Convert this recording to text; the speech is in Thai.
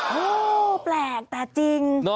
ว้าวแปลกแต่จริง